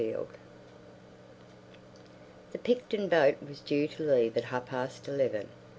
The Voyage The Picton boat was due to leave at half past eleven.